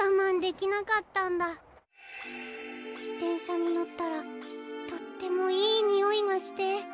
でんしゃにのったらとってもいいにおいがして。